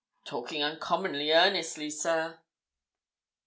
"Talking uncommonly earnestly, sir."